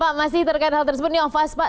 pak masih terkena hal tersebut nih off us pak